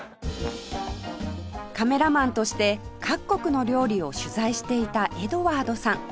カメラマンとして各国の料理を取材していたエドワードさん